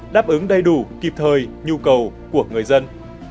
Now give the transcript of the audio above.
đáp ứng đầy đủ kịp thời nhu cầu của người dân